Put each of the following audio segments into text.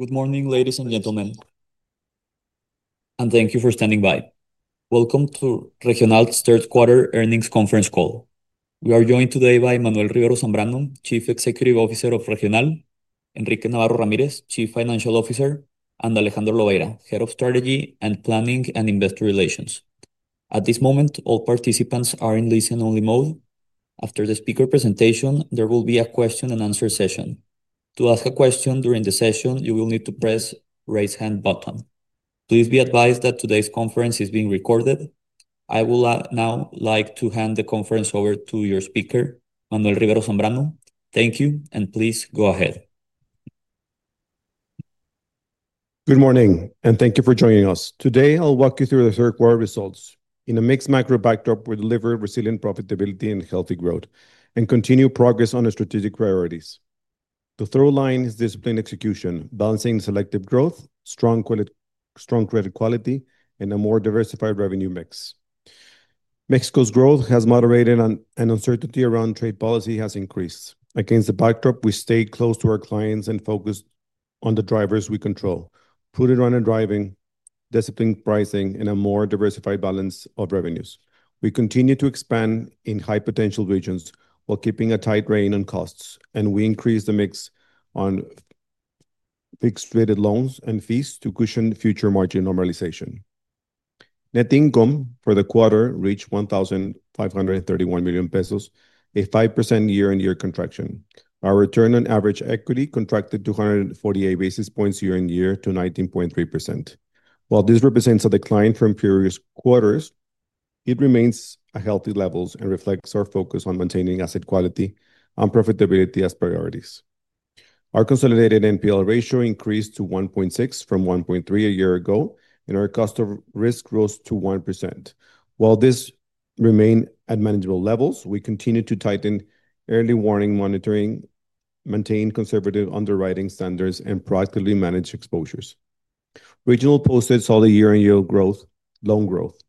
Good morning, ladies and gentlemen, and thank you for standing by. Welcome to Regional's third quarter earnings conference call. We are joined today by Manuel Rivero Zambrano, Chief Executive Officer of Regional, Enrique Navarro Ramírez, Chief Financial Officer, and Alejandro Lobeira, Head of Strategy, Planning, and Investor Relations. At this moment, all participants are in listen-only mode. After the speaker presentation, there will be a question and answer session. To ask a question during the session, you will need to press the raise hand button. Please be advised that today's conference is being recorded. I will now like to hand the conference over to your speaker, Manuel Rivero Zambrano. Thank you, and please go ahead. Good morning, and thank you for joining us. Today, I'll walk you through the third quarter results. In a mixed macro backdrop, we deliver resilient profitability and healthy growth, and continue progress on our strategic priorities. The through line is disciplined execution, balancing selective growth, strong credit quality, and a more diversified revenue mix. Mexico's growth has moderated, and uncertainty around trade policy has increased. Against the backdrop, we stay close to our clients and focus on the drivers we control: prudent run and driving, disciplined pricing, and a more diversified balance of revenues. We continue to expand in high-potential regions while keeping a tight rein on costs, and we increase the mix on fixed rate loans and fees to cushion future margin normalization. Net income for the quarter reached 1,531 million pesos, a 5% year-on-year contraction. Our return on average equity contracted 248 basis points year-on-year to 19.3%. While this represents a decline from previous quarters, it remains at healthy levels and reflects our focus on maintaining asset quality and profitability as priorities. Our consolidated NPL ratio increased to 1.6% from 1.3% a year ago, and our cost of risk rose to 1%. While this remains at manageable levels, we continue to tighten early warning monitoring, maintain conservative underwriting standards, and proactively manage exposures. Regional S.A.B. de C.V. posted solid year-on-year loan growth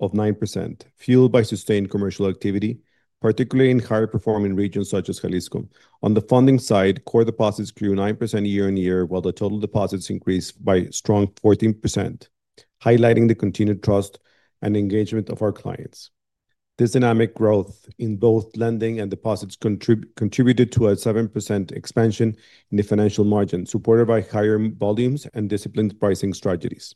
of 9%, fueled by sustained commercial activity, particularly in higher performing regions such as Jalisco. On the funding side, core deposits grew 9% year-on-year, while the total deposits increased by a strong 14%, highlighting the continued trust and engagement of our clients. This dynamic growth in both lending and deposits contributed to a 7% expansion in the financial margins, supported by higher volumes and disciplined pricing strategies.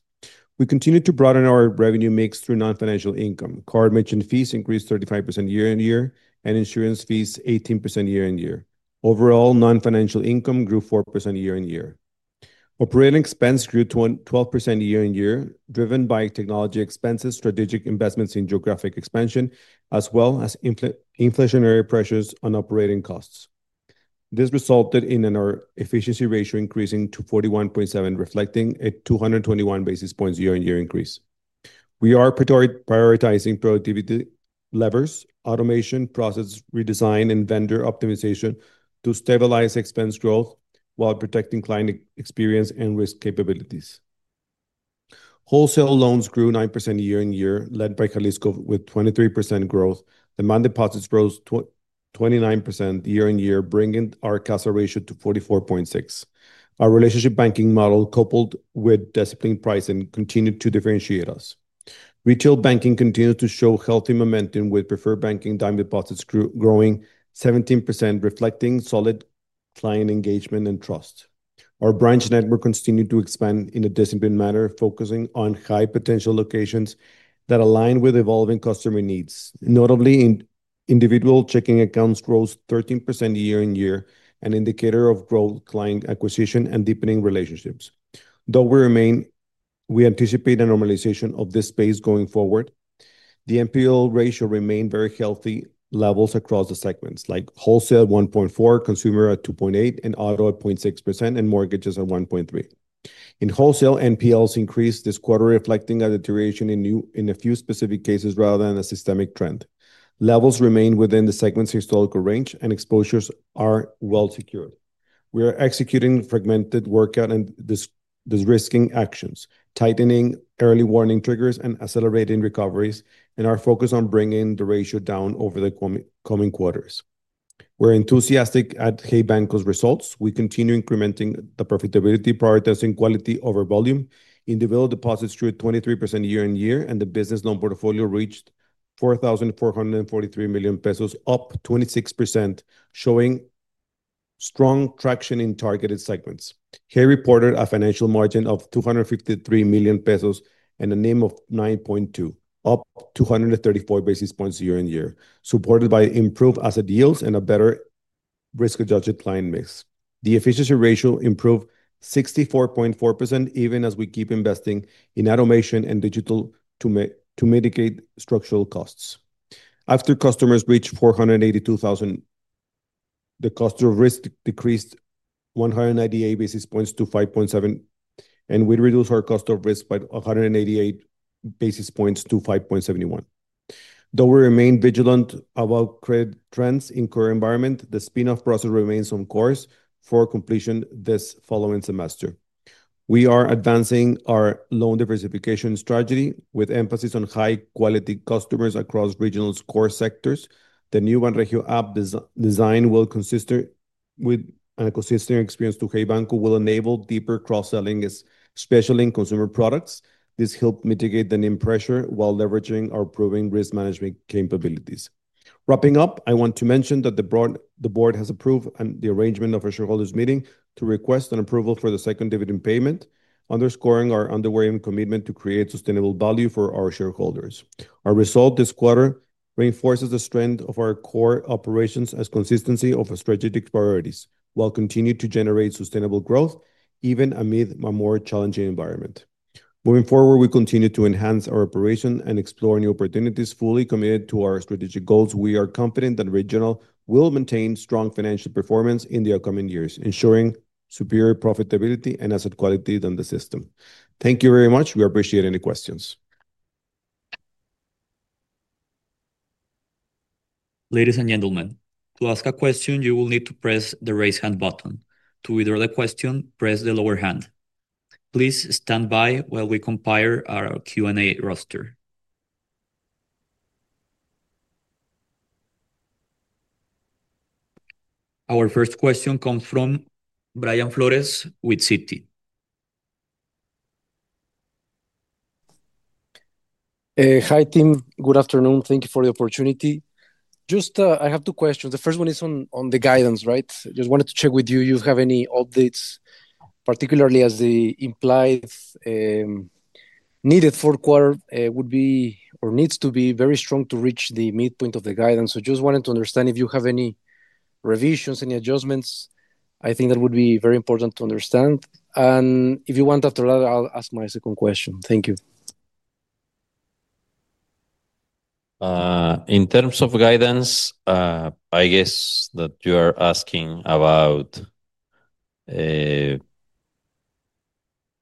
We continue to broaden our revenue mix through non-financial income. Car emission fees increased 35% year-on-year, and insurance fees 18% year-on-year. Overall, non-financial income grew 4% year-on-year. Operating expense grew 12% year-on-year, driven by technology expenses, strategic investments in geographic expansion, as well as inflationary pressures on operating costs. This resulted in our efficiency ratio increasing to 41.7%, reflecting a 221 basis points year-on-year increase. We are prioritizing productivity levers, automation, process redesign, and vendor optimization to stabilize expense growth while protecting client experience and risk capabilities. Wholesale loans grew 9% year-on-year, led by Jalisco with 23% growth. The amount of deposits rose 29% year-on-year, bringing our CASA ratio to 44.6%. Our relationship banking model, coupled with disciplined pricing, continued to differentiate us. Retail banking continues to show healthy momentum, with preferred banking deposits growing 17%, reflecting solid client engagement and trust. Our branch network continued to expand in a disciplined manner, focusing on high-potential locations that align with evolving customer needs. Notably, individual checking accounts rose 13% year-on-year, an indicator of growth, client acquisition, and deepening relationships. Though we anticipate a normalization of this space going forward, the NPL ratio remained at very healthy levels across the segments, like wholesale 1.4%, consumer at 2.8%, auto at 0.6%, and mortgages at 1.3%. In wholesale, NPLs increased this quarter, reflecting a deterioration in a few specific cases rather than a systemic trend. Levels remain within the segment's historical range, and exposures are well secured. We are executing fragmented workout and risking actions, tightening early warning triggers and accelerating recoveries, and are focused on bringing the ratio down over the coming quarters. We're enthusiastic at Hey Banco's results. We continue incrementing the profitability, prioritizing quality over volume. Individual deposits grew 23% year-on-year, and the business loan portfolio reached 4,443 million pesos, up 26%, showing strong traction in targeted segments. Hey reported a financial margin of 253 million pesos and a NIM of 9.2%, up 234 basis points year-on-year, supported by improved asset yields and a better risk-adjusted client mix. The efficiency ratio improved to 64.4% even as we keep investing in automation and digital to mitigate structural costs. After customers reached 482,000, the cost of risk decreased 198 basis points to 5.7%, and we reduced our cost of risk by 188 basis points to 5.71%. Though we remain vigilant about credit trends in the current environment, the spin-off process remains on course for completion this following semester. We are advancing our loan diversification strategy with emphasis on high-quality customers across Regional's core sectors. The new Banregio app design will consist with an ecosystem experience to Hey Banco, will enable deeper cross-selling, especially in consumer products. This helps mitigate the NIM pressure while leveraging our proven risk management capabilities. Wrapping up, I want to mention that the board has approved the arrangement of a shareholders' meeting to request an approval for the second dividend payment, underscoring our underwriting commitment to create sustainable value for our shareholders. Our result this quarter reinforces the strength of our core operations as consistency of our strategic priorities, while continuing to generate sustainable growth even amid a more challenging environment. Moving forward, we continue to enhance our operation and explore new opportunities, fully committed to our strategic goals. We are confident that Regional will maintain strong financial performance in the upcoming years, ensuring superior profitability and asset quality than the system. Thank you very much. We appreciate any questions. Ladies and gentlemen, to ask a question, you will need to press the raise hand button. To withdraw the question, press the lower hand. Please stand by while we compile our Q&A roster. Our first question comes from Brian Flores with Citi. Hi, team. Good afternoon. Thank you for the opportunity. I have two questions. The first one is on the guidance, right? I just wanted to check with you if you have any updates, particularly as the implied needed fourth quarter would be, or needs to be, very strong to reach the midpoint of the guidance. I just wanted to understand if you have any revisions, any adjustments. I think that would be very important to understand. If you want, after that, I'll ask my second question. Thank you. In terms of guidance, I guess that you are asking about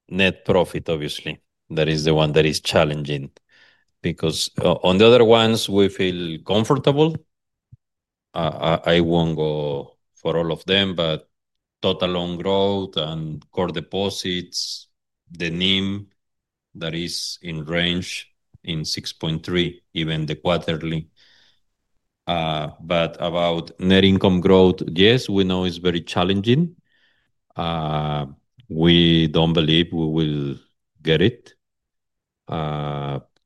net profit, obviously. That is the one that is challenging because on the other ones, we feel comfortable. I won't go for all of them, but total loan growth and core deposits, the NIM that is in range in 6.3, even the quarterly. About net income growth, yes, we know it's very challenging. We don't believe we will get it.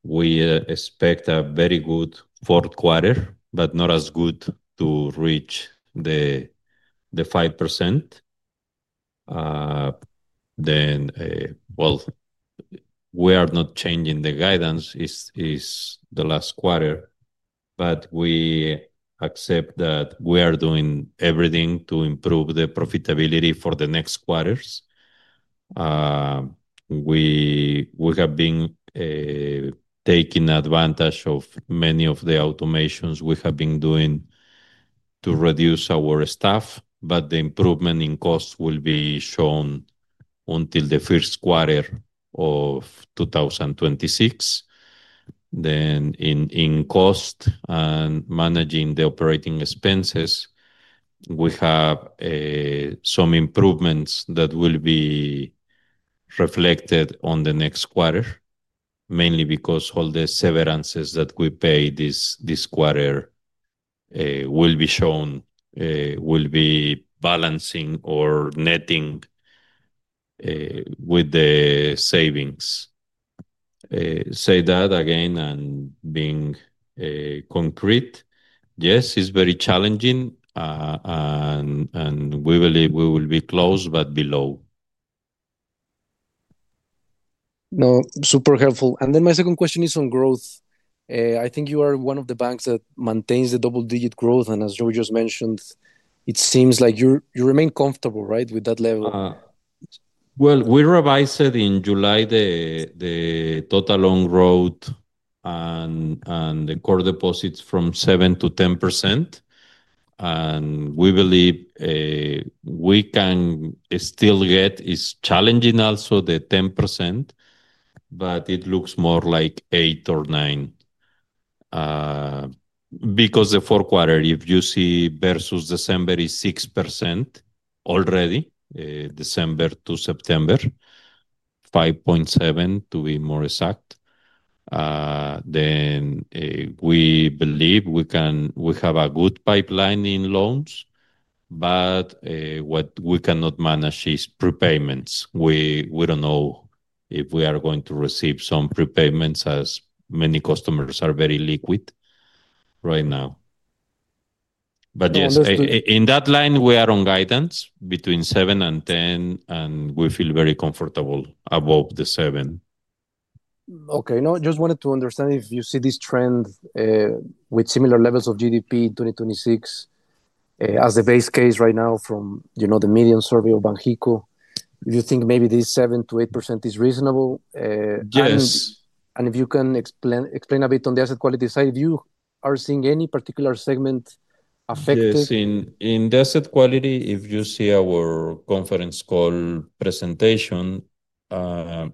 We expect a very good fourth quarter, but not as good to reach the 5%. We are not changing the guidance. It's the last quarter, but we accept that we are doing everything to improve the profitability for the next quarters. We have been taking advantage of many of the automations we have been doing to reduce our staff, but the improvement in cost will be shown until the first quarter of 2026. In cost and managing the operating expenses, we have some improvements that will be reflected on the next quarter, mainly because all the severances that we pay this quarter will be shown, will be balancing or netting with the savings. Say that again and being concrete. Yes, it's very challenging, and we believe we will be close, but below. No, super helpful. My second question is on growth. I think you are one of the banks that maintains the double-digit growth, and as George just mentioned, it seems like you remain comfortable, right, with that level. We revised it in July, the total loan growth and the core deposits from 7%-10%. We believe we can still get it; it's challenging also, the 10%, but it looks more like 8% or 9% because the fourth quarter, if you see versus December, is 6% already. December to September, 5.7% to be more exact. We believe we have a good pipeline in loans, but what we cannot manage is prepayments. We don't know if we are going to receive some prepayments as many customers are very liquid right now. Yes, in that line, we are on guidance between 7% and 10%, and we feel very comfortable above the 7%. Okay. I just wanted to understand if you see this trend with similar levels of GDP in 2026 as the base case right now from the median survey of Banxico. You think maybe this 7%-8% is reasonable? Yes. Could you explain a bit on the asset quality side if you are seeing any particular segment affected? Yes. In the asset quality, if you see our conference call presentation,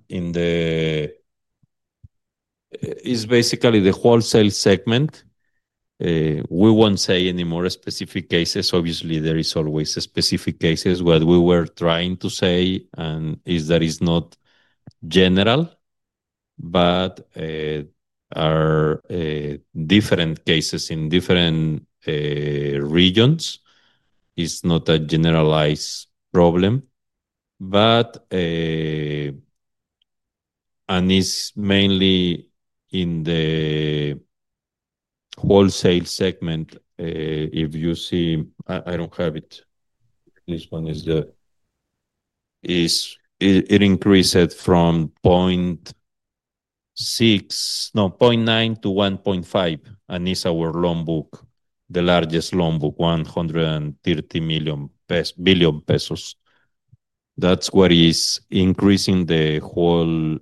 it's basically the wholesale segment. We won't say any more specific cases. Obviously, there are always specific cases. What we were trying to say is that it's not general, but there are different cases in different regions. It's not a generalized problem. It's mainly in the wholesale segment. If you see, I don't have it. This one is there. It increased from 0.9%-1.5%, and it's our loan book, the largest loan book, 130 billion pesos. That's what is increasing the whole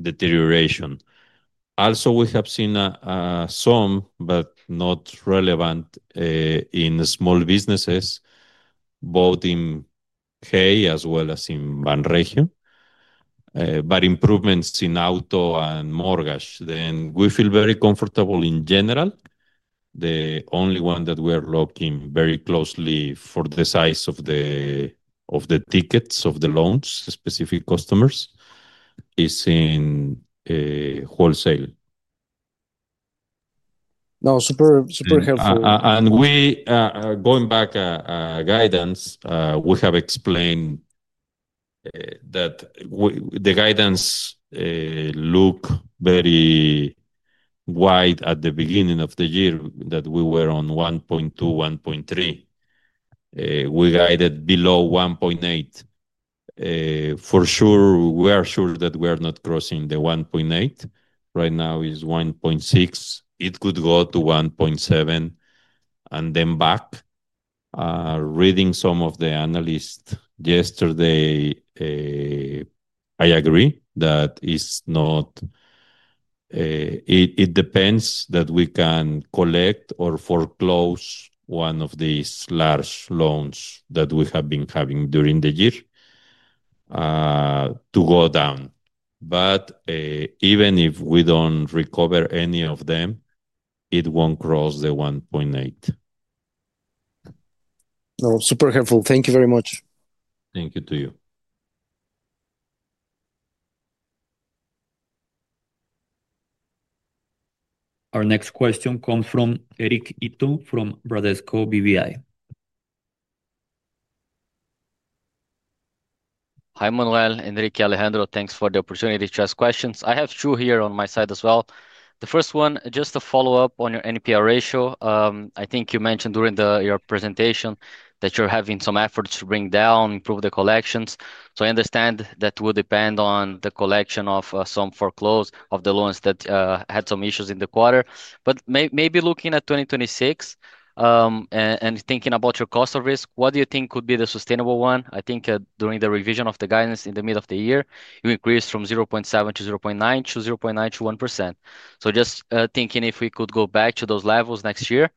deterioration. Also, we have seen some, but not relevant, in small businesses, both in Hey as well as in Banregio, but improvements in auto and mortgage. We feel very comfortable in general. The only one that we are looking very closely for the size of the tickets of the loans, specific customers, is in wholesale. No, super helpful. Going back, a guidance, we have explained that the guidance looked very wide at the beginning of the year, that we were on 1.2, 1.3. We guided below 1.8. For sure, we are sure that we are not crossing the 1.8. Right now, it's 1.6. It could go to 1.7 and then back. Reading some of the analysts yesterday, I agree that it depends that we can collect or foreclose one of these large loans that we have been having during the year to go down. Even if we don't recover any of them, it won't cross the 1.8. No, super helpful. Thank you very much. Thank you to you. Our next question comes from Eric Ito from Bradesco BBI. Hi, Manuel. Enrique, Alejandro, thanks for the opportunity to ask questions. I have two here on my side as well. The first one, just a follow-up on your NPL ratio. I think you mentioned during your presentation that you're having some efforts to bring down, improve the collections. I understand that it will depend on the collection of some foreclose of the loans that had some issues in the quarter. Maybe looking at 2026 and thinking about your cost of risk, what do you think could be the sustainable one? I think during the revision of the guidance in the middle of the year, you increased from 0.7% to 0.9% to 0.9% to 1%. Just thinking if we could go back to those levels next year.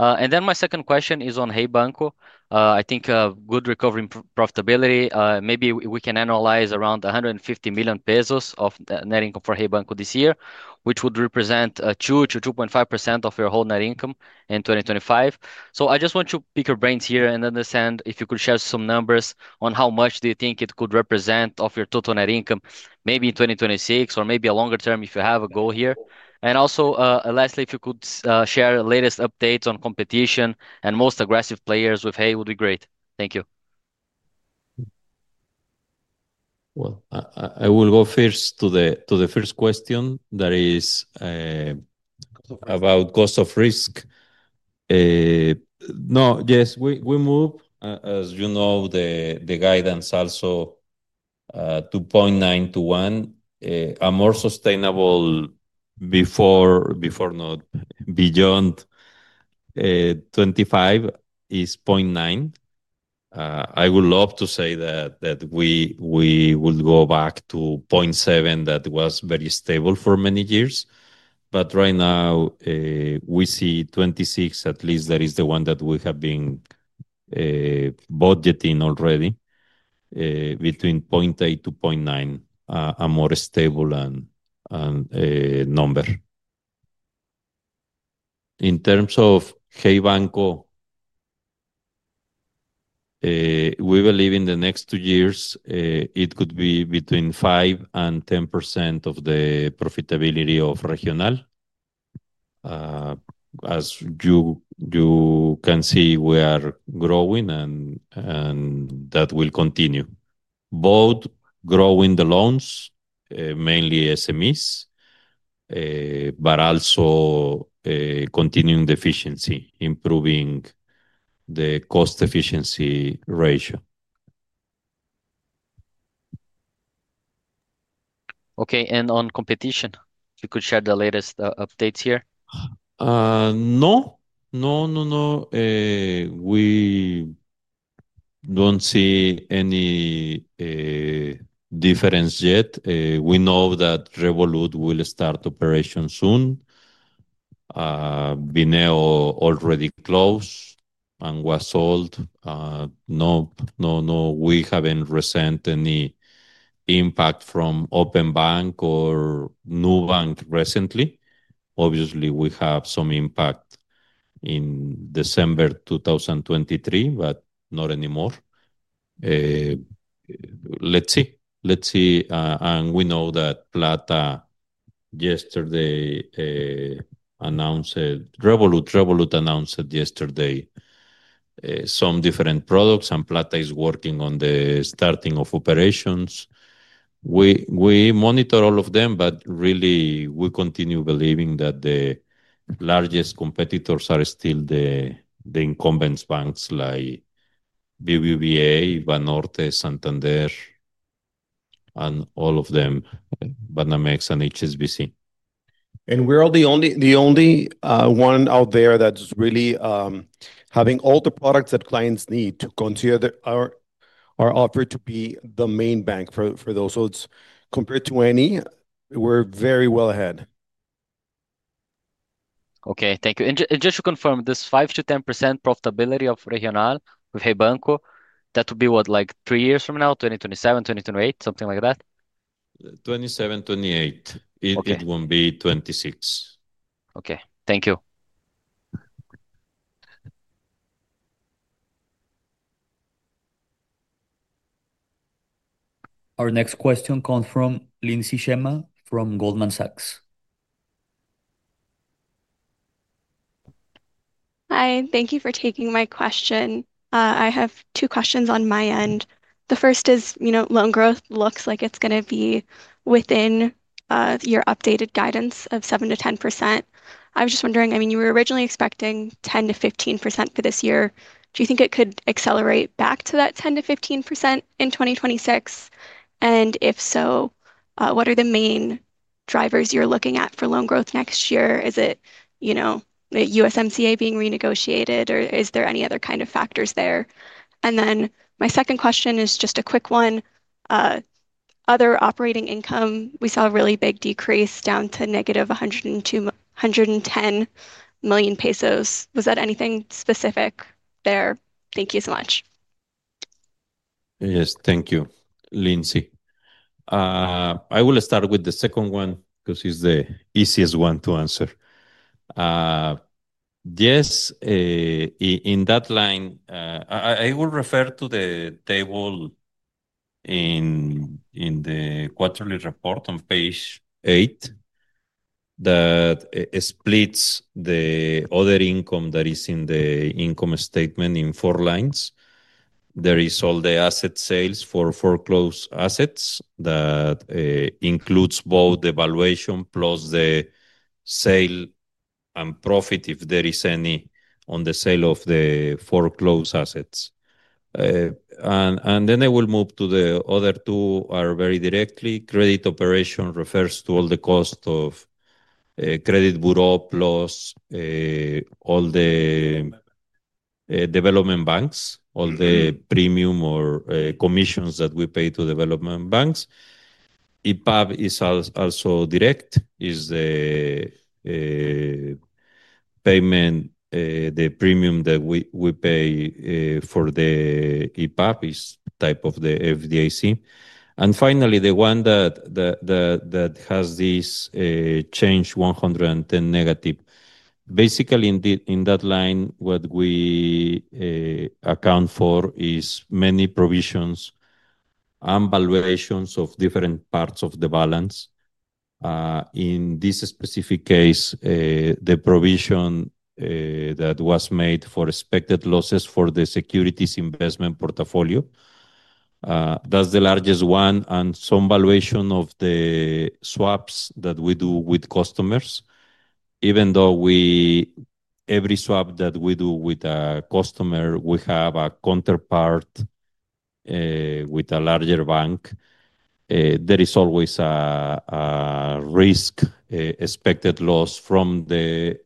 My second question is on Hey Banco. I think a good recovery in profitability, maybe we can analyze around 150 million pesos of net income for Hey Banco this year, which would represent 2%-2.5% of your whole net income in 2025. I just want to pick your brains here and understand if you could share some numbers on how much do you think it could represent of your total net income, maybe in 2026 or maybe a longer term if you have a goal here. Also, lastly, if you could share the latest updates on competition and most aggressive players with Hey, it would be great. Thank you. I will go first to the first question that is about cost of risk. As you know, the guidance also 2.9% to 1%. A more sustainable, before not beyond 25% is 0.9%. I would love to say that we would go back to 0.7% that was very stable for many years. Right now, we see 26% at least, that is the one that we have been budgeting already, between 0.8% to 0.9%, a more stable number. In terms of Hey Banco, we believe in the next two years, it could be between 5% and 10% of the profitability of Regional. As you can see, we are growing, and that will continue, both growing the loans, mainly SMEs, but also continuing the efficiency, improving the cost efficiency ratio. Okay. On competition, if you could share the latest updates here. We don't see any difference yet. We know that Revolut will start operations soon. Vineo already closed and was sold. We haven't recently seen any impact from OpenBank or Nubank recently. Obviously, we have some impact in December 2023, but not anymore. Let's see. We know that Plata yesterday announced Revolut. Revolut announced yesterday some different products, and Plata is working on the starting of operations. We monitor all of them, but really, we continue believing that the largest competitors are still the incumbent banks like BBVA, Banorte, Santander, Banamex, and HSBC. We're the only one out there that's really having all the products that clients need to consider our offer to be the main bank for those. Compared to any, we're very well ahead. Thank you. Just to confirm, this 5%-10% profitability of Regional with Hey Banco, that would be what, like three years from now, 2027, 2028, something like that? 27, 28. It won't be 26. Okay, thank you. Our next question comes from Lindsey Shema from Goldman Sachs. Hi. Thank you for taking my question. I have two questions on my end. The first is, you know, loan growth looks like it's going to be within your updated guidance of 7% to 10%. I was just wondering, I mean, you were originally expecting 10% to 15% for this year. Do you think it could accelerate back to that 10% to 15% in 2026? If so, what are the main drivers you're looking at for loan growth next year? Is it, you know, the USMCA being renegotiated, or is there any other kind of factors there? My second question is just a quick one. Other operating income, we saw a really big decrease down to -110 million pesos. Was that anything specific there? Thank you so much. Yes. Thank you, Lindsey. I will start with the second one because it's the easiest one to answer. Yes, in that line, I will refer to the table in the quarterly report on page 8 that splits the other income that is in the income statement in four lines. There are all the asset sales for foreclosed assets that include both the valuation plus the sale and profit, if there is any, on the sale of the foreclosed assets. I will move to the other two very directly. Credit operation refers to all the cost of credit bureau plus all the development banks, all the premium or commissions that we pay to development banks. EPAP is also direct. It's the payment, the premium that we pay for the EPAP, is type of the FDIC. Finally, the one that has this change 110 negative. Basically, in that line, what we account for is many provisions and valuations of different parts of the balance. In this specific case, the provision that was made for expected losses for the securities investment portfolio. That's the largest one. Some valuation of the swaps that we do with customers. Even though every swap that we do with a customer, we have a counterpart with a larger bank, there is always a risk, expected loss from the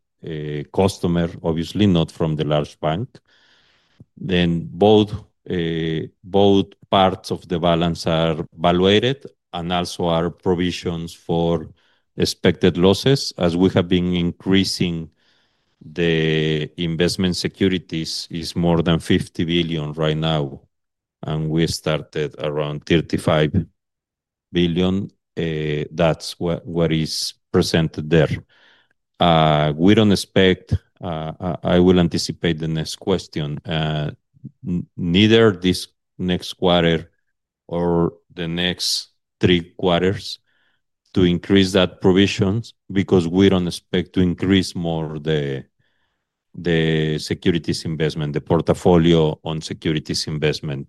customer, obviously not from the large bank. Both parts of the balance are valuated and also are provisions for expected losses. As we have been increasing the investment securities, it's more than 50 billion right now. We started around 35 billion. That's what is presented there. We don't expect, I will anticipate the next question, neither this next quarter or the next three quarters to increase that provision because we don't expect to increase more the securities investment, the portfolio on securities investment.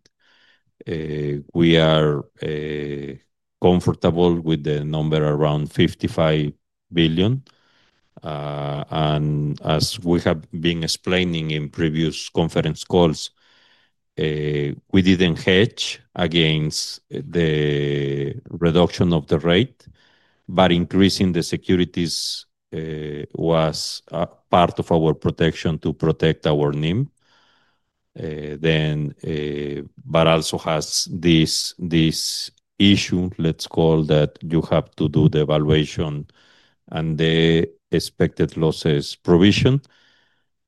We are comfortable with the number around 55 billion. As we have been explaining in previous conference calls, we didn't hedge against the reduction of the rate, but increasing the securities was part of our protection to protect our NIM. It also has this issue, let's call that you have to do the valuation and the expected losses provision.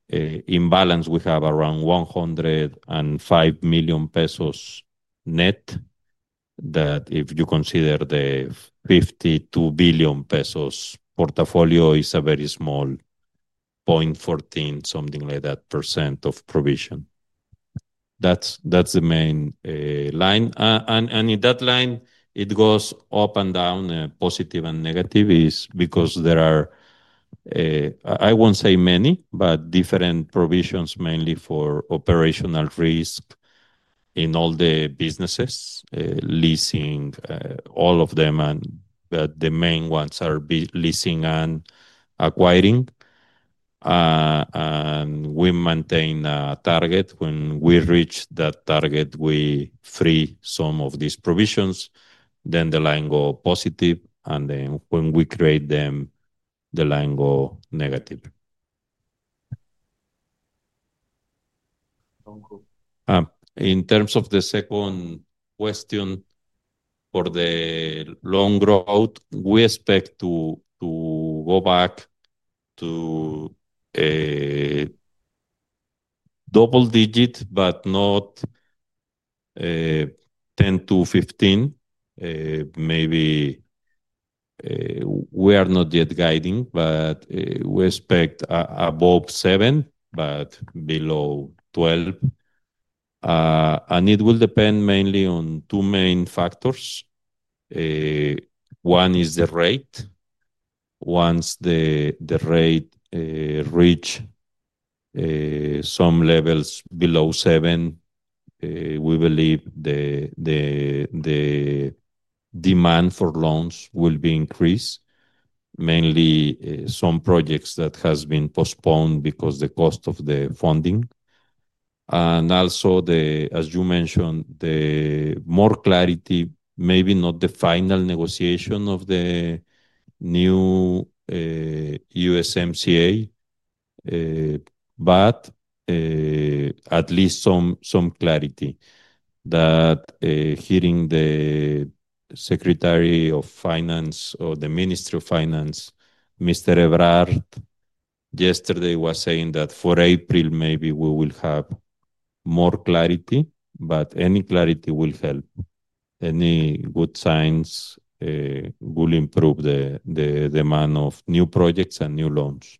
In balance, we have around 105 million pesos net that if you consider the 52 billion pesos portfolio, it's a very small 0.14% of provision. That's the main line. In that line, it goes up and down, positive and negative, because there are, I won't say many, but different provisions, mainly for operational risk in all the businesses, leasing, all of them, and the main ones are leasing and acquiring. We maintain a target. When we reach that target, we free some of these provisions. The line goes positive, and when we create them, the line goes negative. In terms of the second question for the loan growth, we expect to go back to double digit, but not 10%-15%. Maybe we are not yet guiding, but we expect above 7%, but below 12%. It will depend mainly on two main factors. One is the rate. Once the rate reaches some levels below 7%, we believe the demand for loans will be increased, mainly some projects that have been postponed because of the cost of the funding. Also, as you mentioned, the more clarity, maybe not the final negotiation of the new USMCA, but at least some clarity that hearing the Secretary of Finance or the Minister of Finance, Mr. Ebrard, yesterday was saying that for April, maybe we will have more clarity, but any clarity will help. Any good signs will improve the demand of new projects and new loans.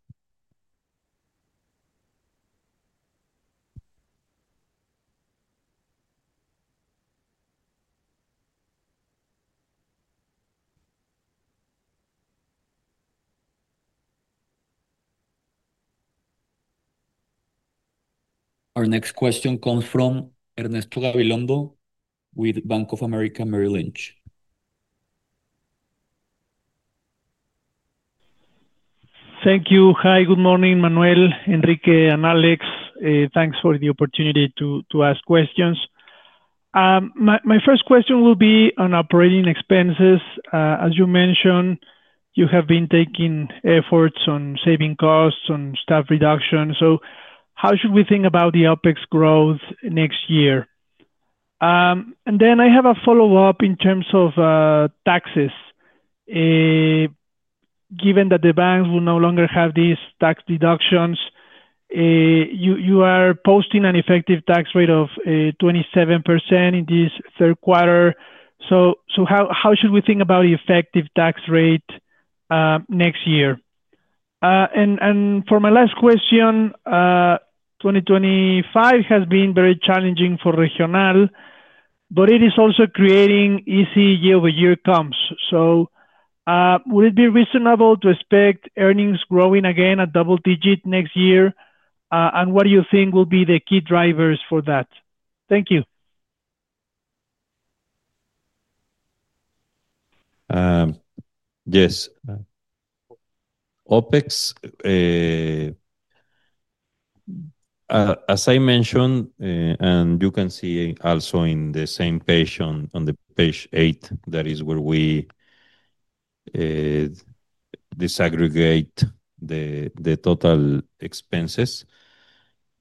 Our next question comes from Ernesto Gabilondo with Bank of America Merrill Lynch. Thank you. Hi. Good morning, Manuel, Enrique, and Alex. Thanks for the opportunity to ask questions. My first question will be on operating expenses. As you mentioned, you have been taking efforts on saving costs and staff reductions. How should we think about the OpEx growth next year? I have a follow-up in terms of taxes. Given that the banks will no longer have these tax deductions, you are posting an effective tax rate of 27% in this third quarter. How should we think about the effective tax rate next year? For my last question, 2025 has been very challenging for Regional, but it is also creating easy year-over-year comps. Would it be reasonable to expect earnings growing again at double digit next year? What do you think will be the key drivers for that? Thank you. Yes. OpEx, as I mentioned, and you can see also on the same page, on page 8, that is where we disaggregate the total expenses.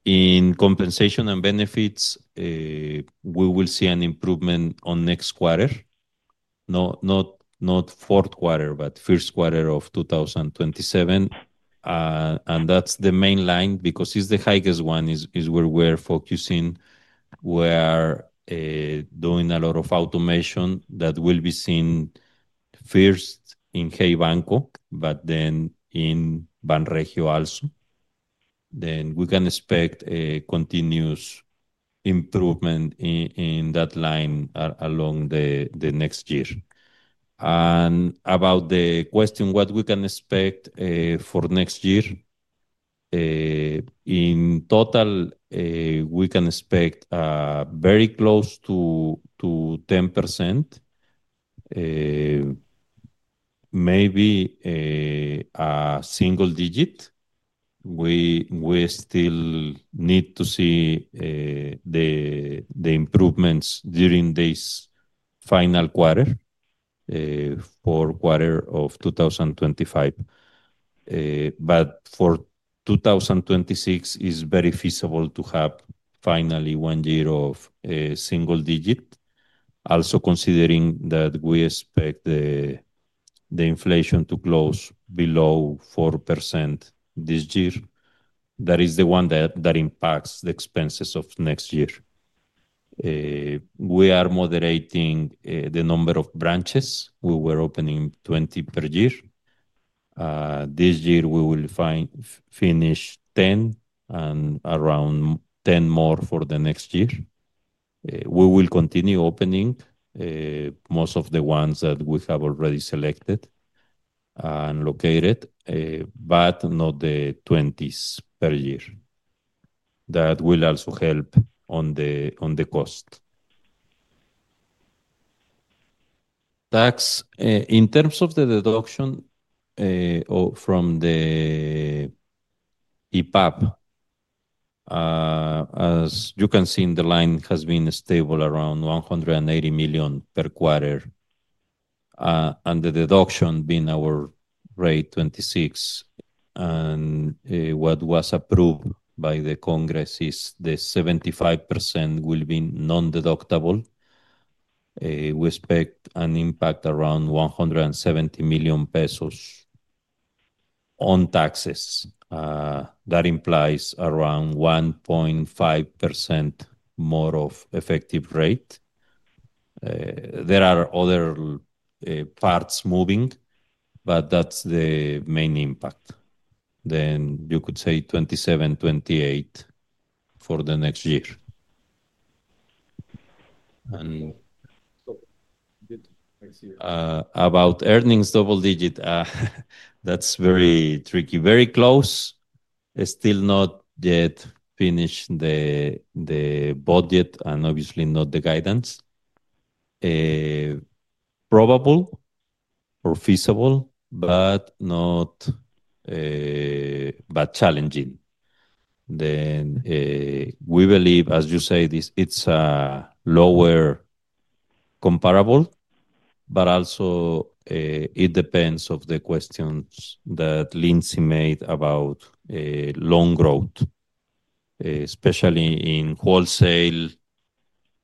In compensation and benefits, we will see an improvement next quarter. No, not fourth quarter, but first quarter of 2027. That's the main line because it's the highest one, is where we're focusing. We are doing a lot of automation that will be seen first in Hey Banco, but then in Banregio also. We can expect a continuous improvement in that line along the next year. About the question, what we can expect for next year, in total, we can expect very close to 10%, maybe a single digit. We still need to see the improvements during this final quarter, fourth quarter of 2025. For 2026, it's very feasible to have finally one year of single digit, also considering that we expect the inflation to close below 4% this year. That is the one that impacts the expenses of next year. We are moderating the number of branches. We were opening 20 per year. This year, we will finish 10 and around 10 more for the next year. We will continue opening most of the ones that we have already selected and located, but not the 20s per year. That will also help on the cost. Tax, in terms of the deduction from the EPAP, as you can see in the line, has been stable around 180 million per quarter. The deduction being our rate 26. What was approved by the Congress is the 75% will be non-deductible. We expect an impact around 170 million pesos on taxes. That implies around 1.5% more of effective rate. There are other parts moving, but that's the main impact. You could say 27, 28 for the next year. About earnings, double digit, that's very tricky. Very close. It's still not yet finished the budget and obviously not the guidance. Probable or feasible, but challenging. We believe, as you say, it's a lower comparable, but also it depends on the questions that Lindsay made about loan growth. Especially in wholesale,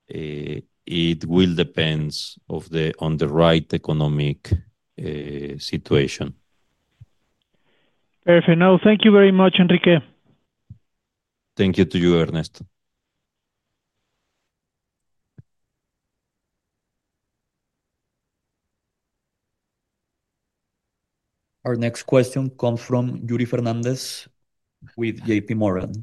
it will depend on the right economic situation. Perfect. No, thank you very much, Enrique. Thank you to you, Ernesto. Our next question comes from Yuri Fernandes with JPMorgan.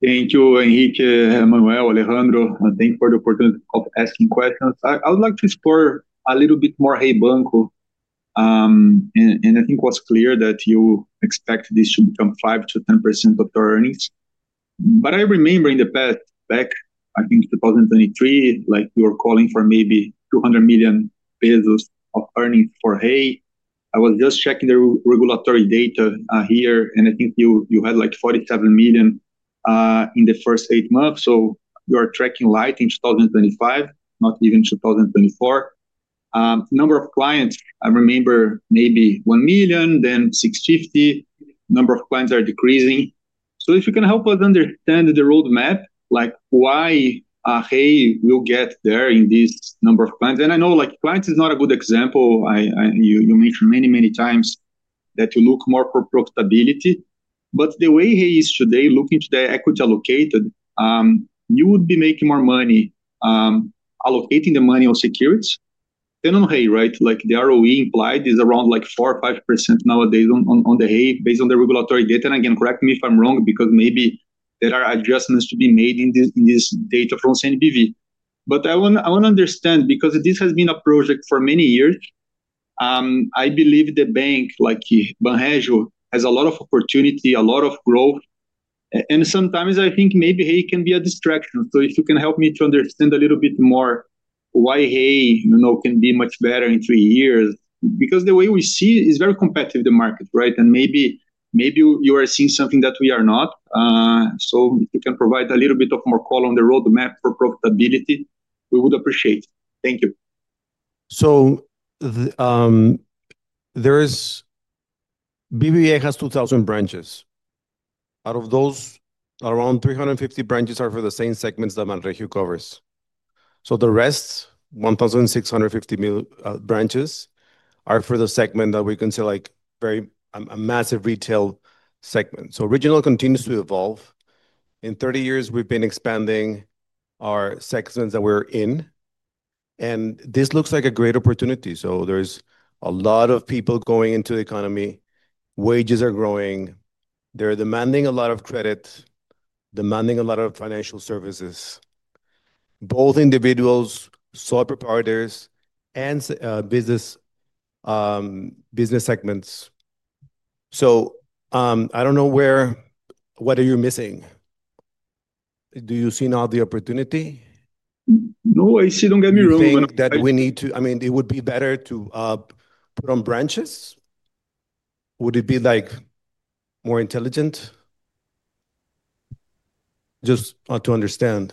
Thank you, Enrique, Manuel, Alejandro. Thank you for the opportunity of asking questions. I would like to explore a little bit more Hey Banco. I think it was clear that you expect this to become 5%-10% of your earnings. I remember in the past, back, I think 2023, you were calling for maybe 200 million pesos of earnings for Hey. I was just checking the regulatory data here, and I think you had 47 million in the first eight months. You are tracking light in 2025, not even 2024. The number of clients, I remember maybe 1 million, then 650,000. The number of clients are decreasing. If you can help us understand the roadmap, why Hey will get there in this number of clients. I know clients is not a good example. You mentioned many, many times that you look more for profitability. The way Hey is today, looking to the equity allocated, you would be making more money allocating the money on securities than on Hey, right? The ROE implied is around 4% or 5% nowadays on the Hey based on the regulatory data. Again, correct me if I'm wrong because maybe there are adjustments to be made in this data from CNBV. I want to understand because this has been a project for many years. I believe the bank, like Banregio, has a lot of opportunity, a lot of growth. Sometimes I think maybe Hey can be a distraction. If you can help me to understand a little bit more why Hey can be much better in three years. The way we see is very competitive, the market, right? Maybe you are seeing something that we are not. If you can provide a little bit of more color on the roadmap for profitability, we would appreciate it. Thank you. BBVA has 2,000 branches. Out of those, around 350 branches are for the same segments that Banregio covers. The rest, 1,650 branches, are for the segment that we consider like a massive retail segment. Regional continues to evolve. In 30 years, we've been expanding our segments that we're in. This looks like a great opportunity. There's a lot of people going into the economy. Wages are growing. They're demanding a lot of credit, demanding a lot of financial services, both individuals, software providers, and business segments. I don't know what you're missing. Do you see now the opportunity? No, I see it on camera. Would it be better to put on branches? Would it be more intelligent? Just to understand.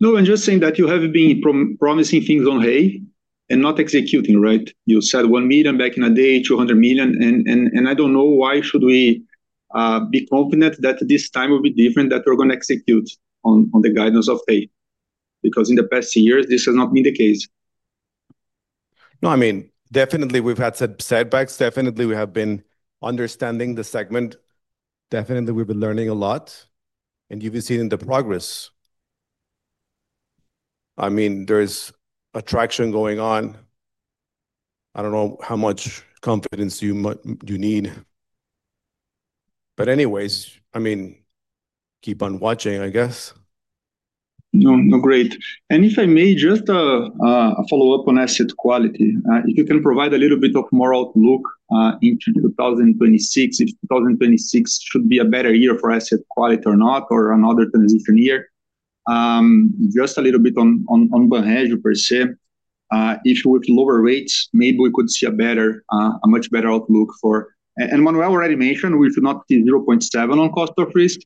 No, I'm just saying that you have been promising things on Hey and not executing, right? You said 1 million back in a day, 200 million. I don't know why should we be confident that this time will be different, that we're going to execute on the guidance of Hey because in the past years, this has not been the case. Definitely, we've had some setbacks. Definitely, we have been understanding the segment. Definitely, we've been learning a lot. You've seen the progress. I mean, there's attraction going on. I don't know how much confidence you need. Anyways, I mean, keep on watching, I guess. No, great. If I may, just a follow-up on asset quality. If you can provide a little bit more outlook into 2026, if 2026 should be a better year for asset quality or not, or another transition year, just a little bit on Regional S.A.B. de C.V. per se. If we have lower rates, maybe we could see a better, a much better outlook for, and Manuel already mentioned, we should not see 0.7% on cost of risk,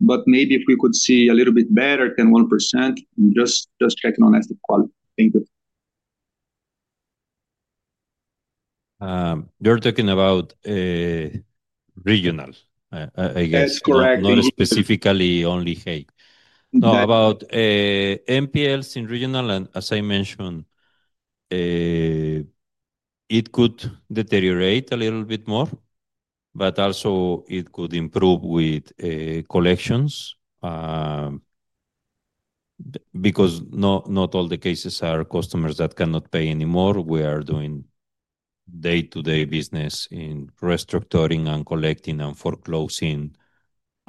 but maybe if we could see a little bit better, 1.0%, just checking on asset quality. Thank you. You're talking about Regional, I guess. That's correct. Not specifically only Hey. No, about NPLs in Regional, as I mentioned, it could deteriorate a little bit more, but also it could improve with collections because not all the cases are customers that cannot pay anymore. We are doing day-to-day business in restructuring and collecting and foreclosing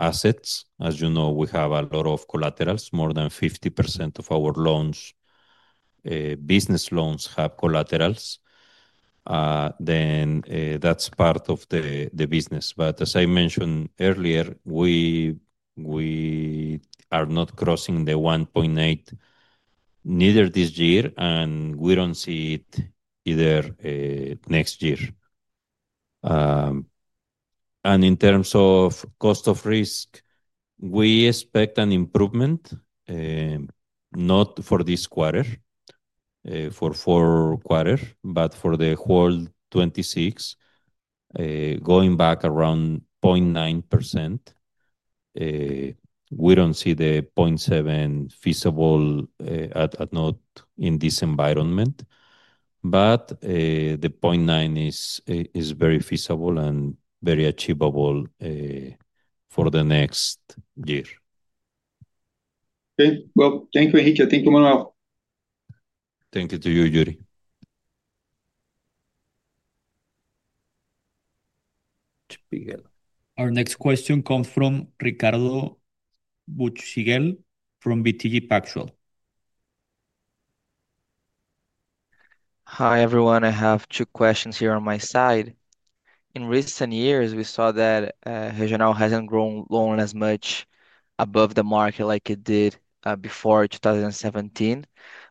assets. As you know, we have a lot of collaterals. More than 50% of our business loans have collaterals. That is part of the business. As I mentioned earlier, we are not crossing the 1.8% neither this year, and we do not see it either next year. In terms of cost of risk, we expect an improvement, not for this quarter, for four quarters, but for the whole 2026, going back around 0.9%. We do not see the 0.7% feasible, not in this environment. The 0.9% is very feasible and very achievable for the next year. Okay. Thank you, Enrique. Thank you, Manuel. Thank you to you, Yuri. Our next question comes from Ricardo Buchpiguel from BTG Pactual. Hi, everyone. I have two questions here on my side. In recent years, we saw that Regional hasn't grown loan as much above the market like it did before 2017,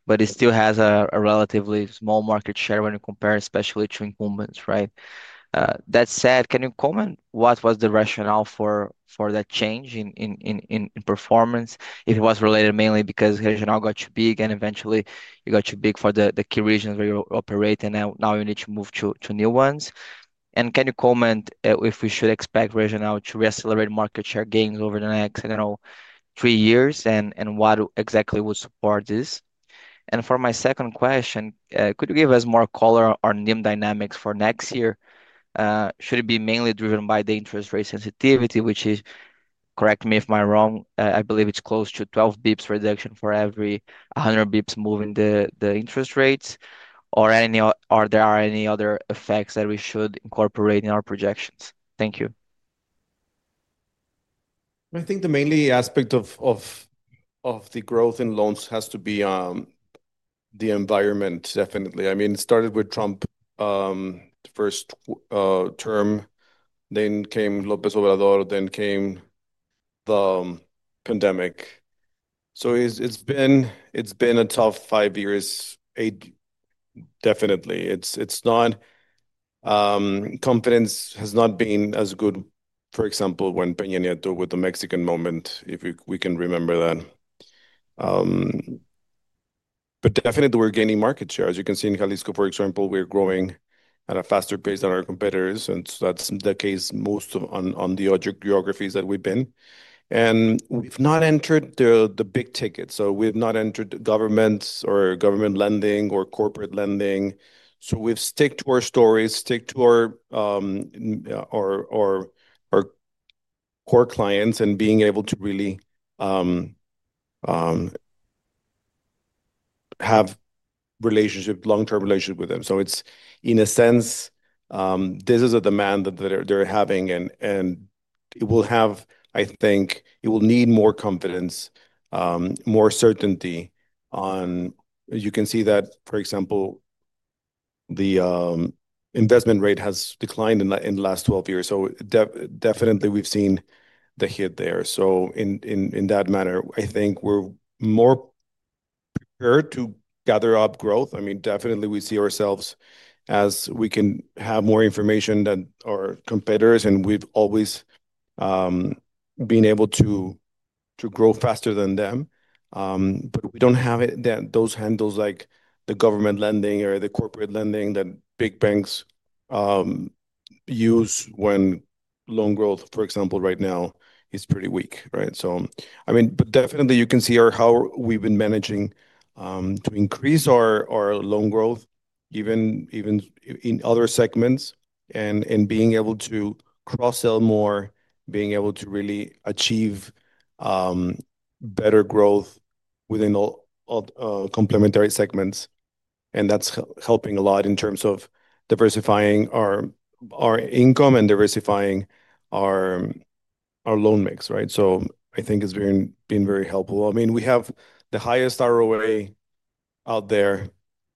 but it still has a relatively small market share when you compare, especially to incumbents, right? That said, can you comment what was the rationale for that change in performance? It was related mainly because Regional got too big and eventually it got too big for the key regions where you operate, and now you need to move to new ones. Can you comment if we should expect Regional to reaccelerate market share gains over the next, I don't know, three years and what exactly would support this? For my second question, could you give us more color on NIM dynamics for next year? Should it be mainly driven by the interest rate sensitivity, which is, correct me if I'm wrong, I believe it's close to 12 bps reduction for every 100 bps moving the interest rates, or are there any other effects that we should incorporate in our projections? Thank you. I think the main aspect of the growth in loans has to be the environment, definitely. I mean, it started with Trump, the first term, then came López Obrador, then came the pandemic. It's been a tough five years, definitely. Confidence has not been as good, for example, when Peña Nieto with the Mexican moment, if we can remember that. We're gaining market share. As you can see in Jalisco, for example, we're growing at a faster pace than our competitors. That's the case in most of the geographies that we've been. We've not entered the big ticket. We've not entered governments or government lending or corporate lending. We've stuck to our stories, stuck to our core clients, and been able to really have long-term relationships with them. In a sense, this is a demand that they're having. It will need more confidence, more certainty. You can see that, for example, the investment rate has declined in the last 12 years. We've seen the hit there. In that manner, I think we're more prepared to gather up growth. We see ourselves as we can have more information than our competitors. We've always been able to grow faster than them. We don't have those handles like the government lending or the corporate lending that big banks use when loan growth, for example, right now is pretty weak, right? You can see how we've been managing to increase our loan growth, even in other segments, and being able to cross-sell more, being able to really achieve better growth within all complementary segments. That's helping a lot in terms of diversifying our income and diversifying our loan mix, right? I think it's been very helpful. We have the highest ROA out there.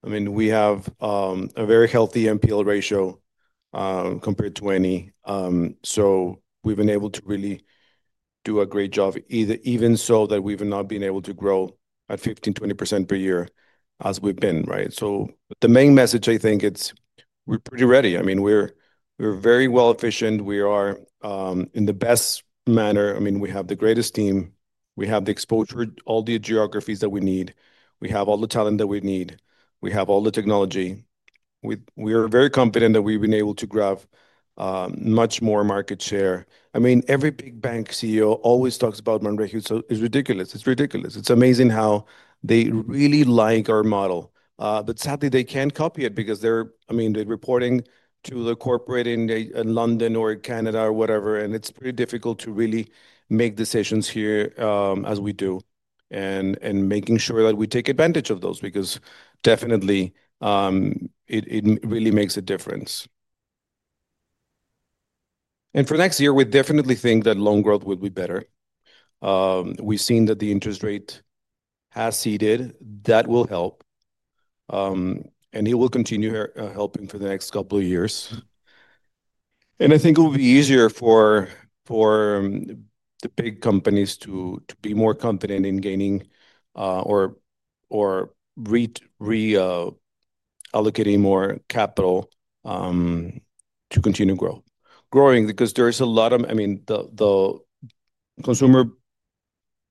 We have a very healthy NPL ratio compared to any. We've been able to really do a great job, even so that we've not been able to grow at 15%, 20% per year as we've been, right? The main message, I think, is we're pretty ready. We're very well efficient. We are in the best manner. We have the greatest team. We have the exposure, all the geographies that we need. We have all the talent that we need. We have all the technology. We are very confident that we've been able to grab much more market share. Every big bank CEO always talks about Banregio. It's ridiculous. It's ridiculous. It's amazing how they really like our model. Sadly, they can't copy it because they're reporting to the corporate in London or Canada or whatever. It's pretty difficult to really make decisions here as we do and making sure that we take advantage of those because definitely, it really makes a difference. For next year, we definitely think that loan growth will be better. We've seen that the interest rate has seeded. That will help, and it will continue helping for the next couple of years. I think it will be easier for the big companies to be more confident in gaining or reallocating more capital to continue growing because there's a lot of, I mean, the consumer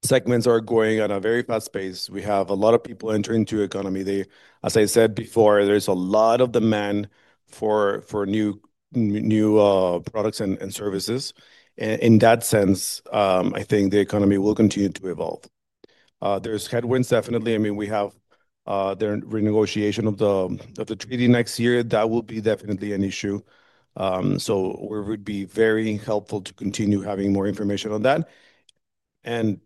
segments are growing at a very fast pace. We have a lot of people entering into the economy. As I said before, there's a lot of demand for new products and services. In that sense, I think the economy will continue to evolve. There are headwinds, definitely. We have the renegotiation of the treaty next year. That will be definitely an issue. It would be very helpful to continue having more information on that.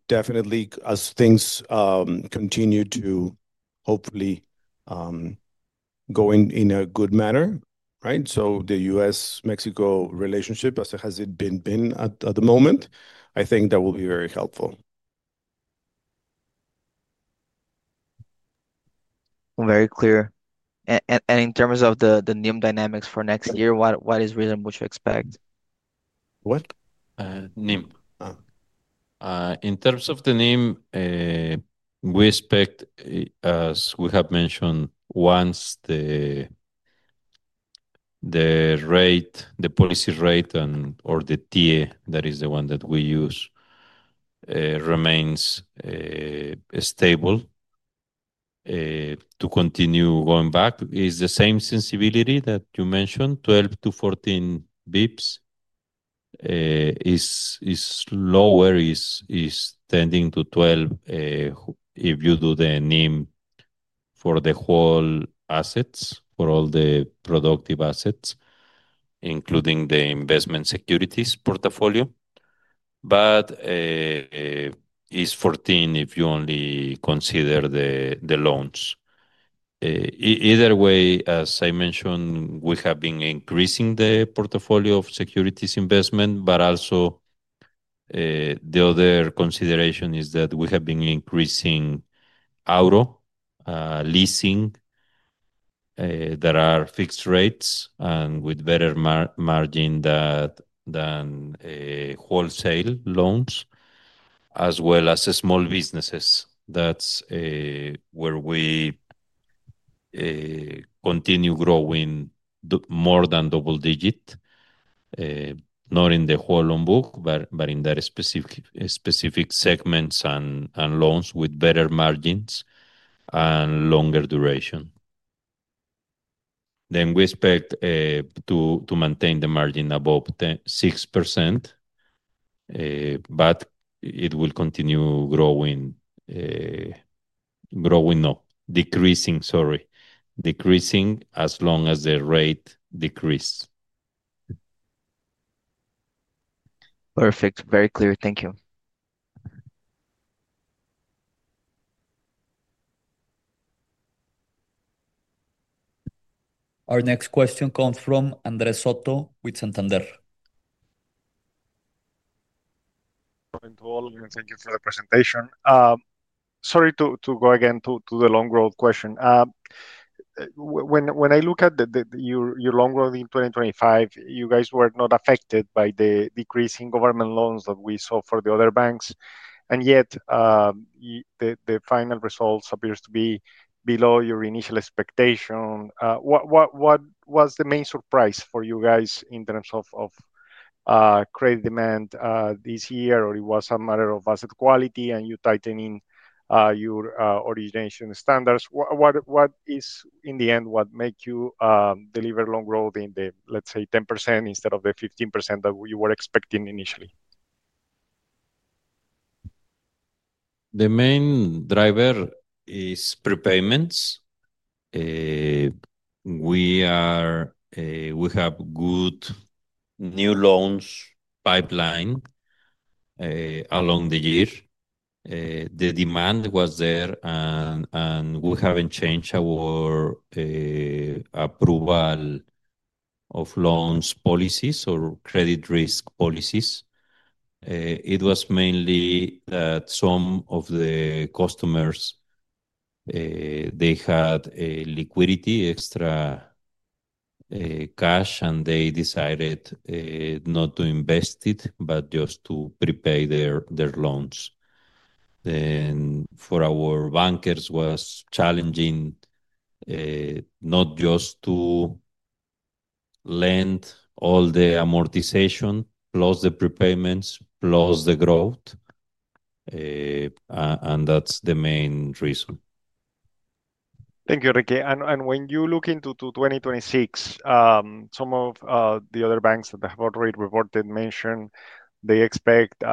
Definitely, as things continue to hopefully go in a good manner, right? The U.S.-Mexico relationship, as it has been at the moment, I think that will be very helpful. Very clear. In terms of the NIM dynamics for next year, what is really what you expect? What? NIM. In terms of the NIM, we expect, as we have mentioned, once the rate, the policy rate, and or the TIE, that is the one that we use, remains stable to continue going back. It's the same sensibility that you mentioned. 12 to 14 bps is lower, is tending to 12 if you do the NIM for the whole assets, for all the productive assets, including the investment securities portfolio. It's 14 if you only consider the loans. Either way, as I mentioned, we have been increasing the portfolio of securities investment, but also the other consideration is that we have been increasing auto leasing that are fixed rates and with better margin than wholesale loans, as well as small businesses. That's where we continue growing more than double digit, not in the whole loan book, but in the specific segments and loans with better margins and longer duration. We expect to maintain the margin above 6%, but it will continue growing, no, decreasing, sorry. Decreasing as long as the rate decreases. Perfect. Very clear. Thank you. Our next question comes from Andrés Soto with Santander. Thank you all, and thank you for the presentation. Sorry to go again to the loan growth question. When I look at your loan growth in 2025, you guys were not affected by the decreasing government loans that we saw for the other banks. Yet, the final results appear to be below your initial expectation. What was the main surprise for you guys in terms of credit demand this year, or was it a matter of asset quality and you tightening your origination standards? In the end, what made you deliver loan growth in the, let's say, 10% instead of the 15% that you were expecting initially? The main driver is prepayments. We have a good new loans pipeline along the year. The demand was there, and we haven't changed our approval of loans policies or credit risk policies. It was mainly that some of the customers, they had liquidity, extra cash, and they decided not to invest it, just to prepay their loans. For our bankers, it was challenging not just to lend all the amortization, plus the prepayments, plus the growth. That's the main reason. Thank you, Enrique. When you look into 2026, some of the other banks that have already reported mentioned they expect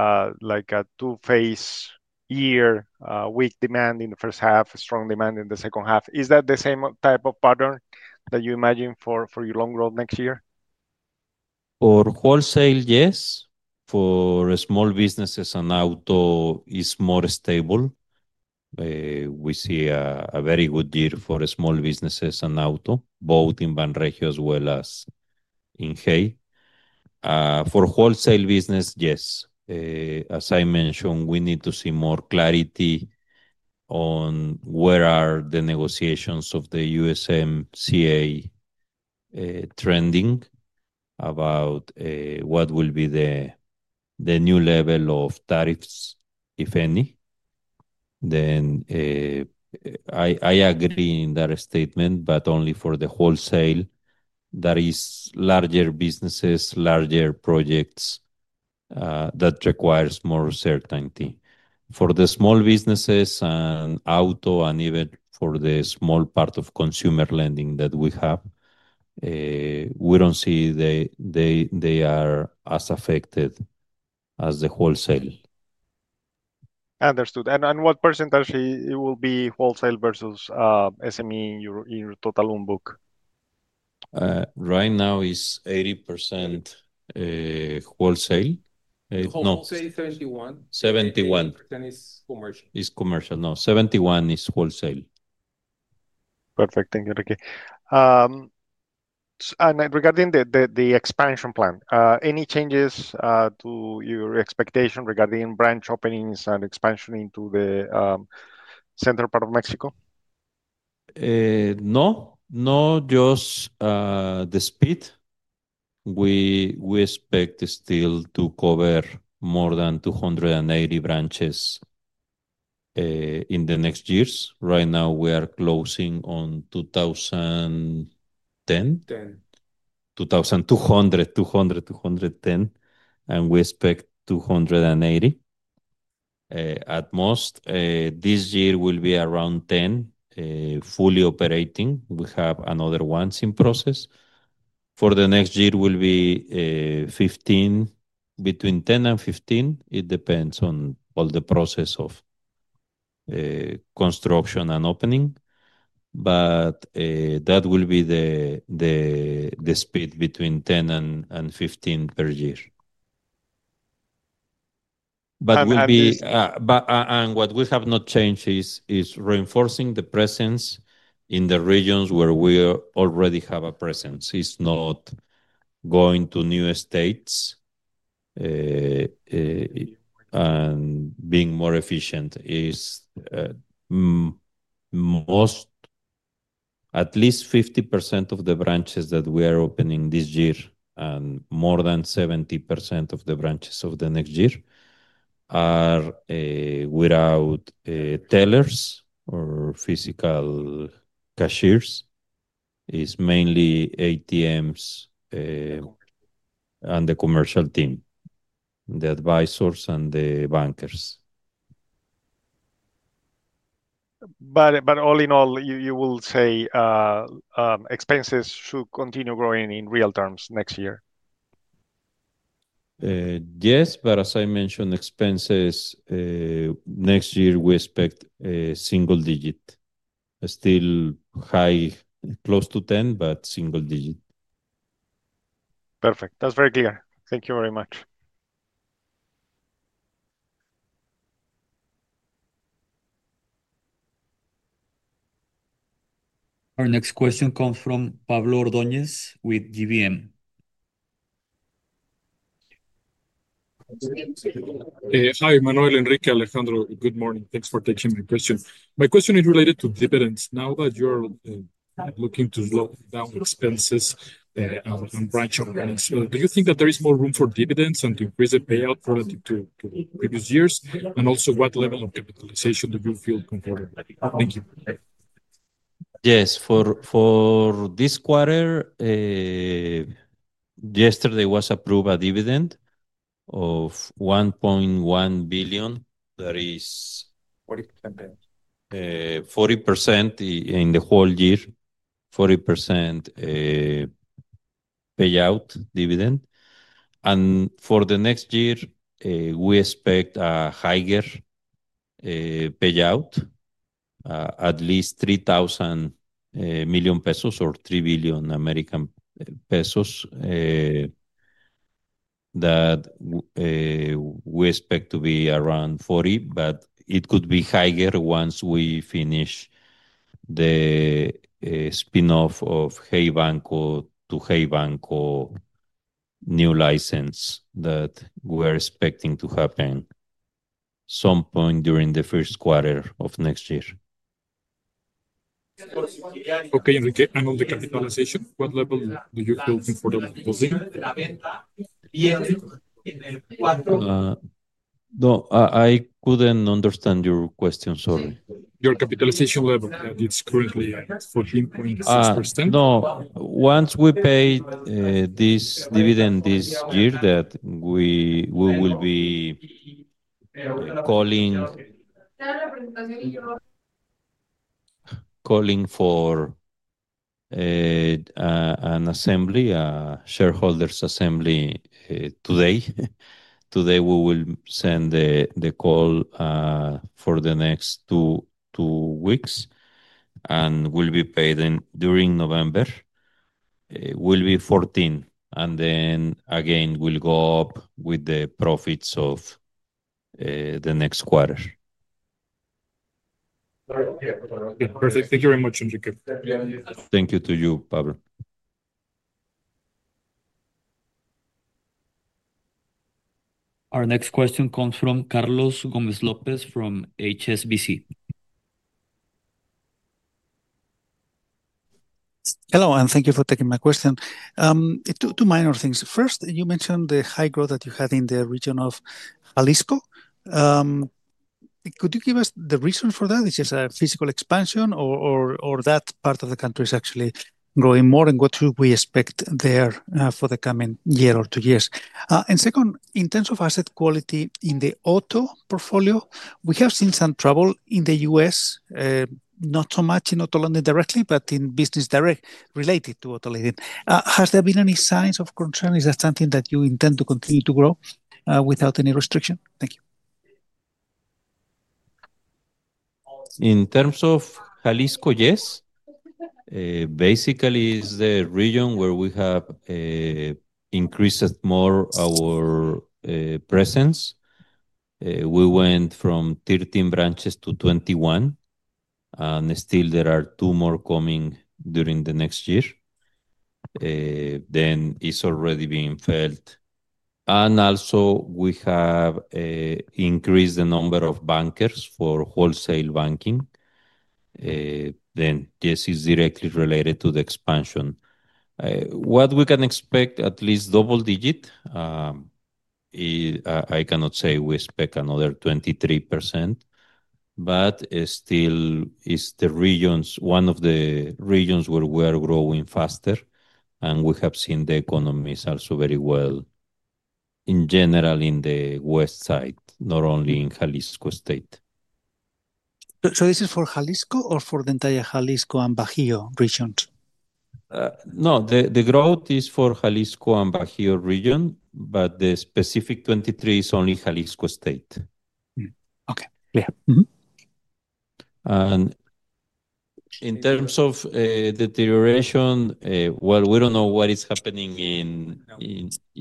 like a two-phase year, weak demand in the first half, strong demand in the second half. Is that the same type of pattern that you imagine for your loan growth next year? For wholesale, yes. For small businesses and auto, it's more stable. We see a very good year for small businesses and auto, both in Banregio as well as in Hey. For wholesale business, yes. As I mentioned, we need to see more clarity on where are the negotiations of the USMCA trending about what will be the new level of tariffs, if any. I agree in that statement, but only for the wholesale. That is larger businesses, larger projects that require more certainty. For the small businesses and auto, and even for the small part of consumer lending that we have, we don't see that they are as affected as the wholesale. What percentage will be wholesale versus SME in your total loan book? Right now, it's 80% wholesale. Wholesale is 71. 71. 10% is commercial. Is commercial? No, 71 is wholesale. Perfect. Thank you, Enrique. Regarding the expansion plan, any changes to your expectation regarding branch openings and expansion into the central part of Mexico? No, just the speed. We expect still to cover more than 280 branches in the next years. Right now, we are closing on 2,010. 10. 2,200, 210, and we expect 280 at most. This year will be around 10 fully operating. We have another one in process. For the next year, it will be 15, between 10 and 15. It depends on all the process of construction and opening. That will be the speed, between 10 and 15 per year. What we have not changed is reinforcing the presence in the regions where we already have a presence. It's not going to new estates. Being more efficient is most, at least 50% of the branches that we are opening this year, and more than 70% of the branches of the next year are without tellers or physical cashiers. It's mainly ATMs and the commercial team, the advisors and the bankers. All in all, you will say expenses should continue growing in real terms next year? Yes, as I mentioned, expenses next year, we expect a single digit. Still high, close to 10%, but single digit. Perfect. That's very clear. Thank you very much. Our next question comes from Pablo Ordóñez with GBM. Hi, Manuel. Enrique, Alejandro, good morning. Thanks for taking my question. My question is related to dividends. Now that you are looking to slow down expenses and branch openings, do you think that there is more room for dividends and to increase the payout relative to previous years? Also, what level of capitalization do you feel comfortable? Thank you. Yes. For this quarter, yesterday was approved a dividend of 1.1 billion. That is. 40% payout. 40% in the whole year, 40% payout dividend. For the next year, we expect a higher payout, at least 3,000 million pesos or 3 billion American pesos, that we expect to be around 40%. It could be higher once we finish the spin-off of Hey Banco to Hey Banco new license that we are expecting to happen at some point during the first quarter of next year. Okay, Enrique. On the capitalization, what level do you feel comfortable closing? No, I couldn't understand your question, sorry. Your capitalization level, that is currently 14.6%? No, once we pay this dividend this year, we will be calling for a shareholders assembly today. Today, we will send the call for the next two weeks, and it will be paid during November. It will be 14. Then again, we'll go up with the profits of the next quarter. Perfect. Thank you very much, Enrique. Thank you to you, Pablo. Our next question comes from Carlos Gómez-López from HSBC. Hello, and thank you for taking my question. Two minor things. First, you mentioned the high growth that you had in the region of Jalisco. Could you give us the reason for that? Is it just a physical expansion, or that part of the country is actually growing more, and what should we expect there for the coming year or two years? Second, in terms of asset quality in the auto portfolio, we have seen some trouble in the U.S., not so much in auto lending directly, but in business direct related to auto lending. Has there been any signs of concern? Is that something that you intend to continue to grow without any restriction? Thank you. In terms of Jalisco, yes. Basically, it's the region where we have increased more our presence. We went from 13 branches to 21, and there are two more coming during the next year. It is already being felt. We have increased the number of bankers for wholesale banking. This is directly related to the expansion. What we can expect, at least double digit, I cannot say we expect another 23%, but still it's one of the regions where we are growing faster, and we have seen the economies also very well in general in the west side, not only in Jalisco State. Is this for Jalisco or for the entire Jalisco and Bajío regions? No, the growth is for Jalisco and Bajío region, but the specific 23 is only Jalisco State. Okay. Clear. In terms of deterioration, we don't know what is happening in the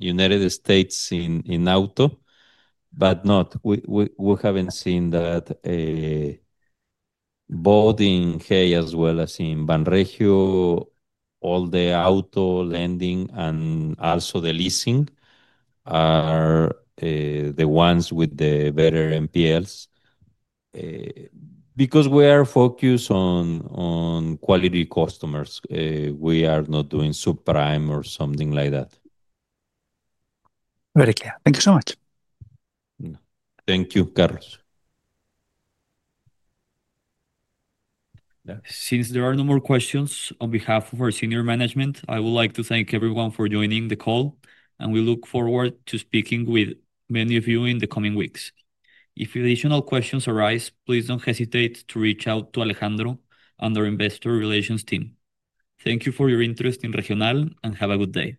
U.S. in auto, but we haven't seen that both in Hey as well as in Banregio. All the auto lending and also the leasing are the ones with the better NPLs because we are focused on quality customers. We are not doing subprime or something like that. Very clear. Thank you so much. Thank you, Carlos. Since there are no more questions, on behalf of our Senior Management, I would like to thank everyone for joining the call, and we look forward to speaking with many of you in the coming weeks. If additional questions arise, please don't hesitate to reach out to Alejandro and our Investor Relations team. Thank you for your interest in Regional, and have a good day.